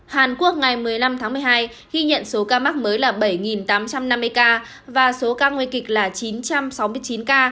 hàn quốc ngày một mươi năm tháng một mươi hai ghi nhận số ca mắc mới là bảy tám trăm năm mươi ca và số ca nguy kịch là chín trăm sáu mươi chín ca